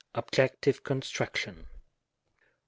Objective Construction. 1.